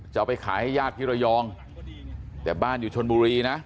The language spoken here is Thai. เอาไปขายให้ญาติที่ระยองแต่บ้านอยู่ชนบุรีนะ